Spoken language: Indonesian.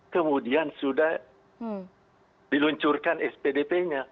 kemudian sudah diluncurkan spdp nya